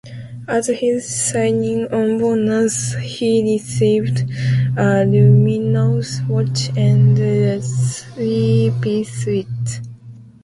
As his signing-on bonus, he received a luminous watch and a three-piece suit.